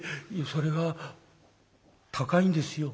「それが高いんですよ」。